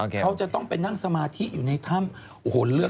เขาจะต้องไปนั่งสมาธิอยู่ในถ้ำ